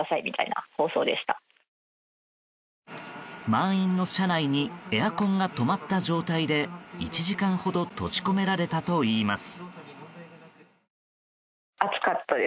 満員の車内にエアコンが止まった状態で１時間ほど閉じ込められたといいます。